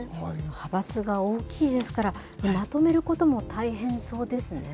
派閥が大きいですから、まとめることも大変そうですね。